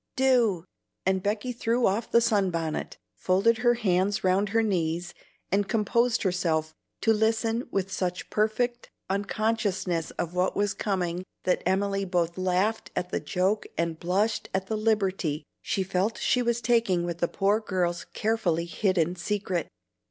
"Do!" and Beck threw off the sunbonnet, folded her hands round her knees, and composed herself to listen with such perfect unconsciousness of what was coming that Emily both laughed at the joke and blushed at the liberty she felt she was taking with the poor girl's carefully hidden secret.